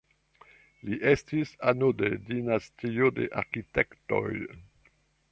Li estis ano de dinastio de arkitektoj.